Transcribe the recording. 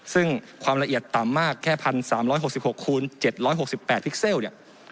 ซึ่งความละเอียดต่ำมากแค่๑๓๖๖คูณ๗๖๘พิกเซลเนี่ย